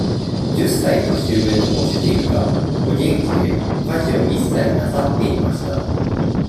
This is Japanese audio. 十歳年上のご主人が、お元気で、家事一切をなさっていました。